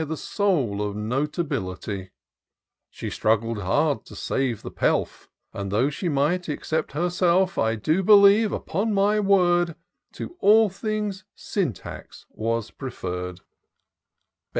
The soul of notability. IN SEARCH OF THE PICTURESQUE. 347 She struggled hard to save the pelf; And, though she might except herself, I do believe, upon my word. To all things Syntax was preferr'd.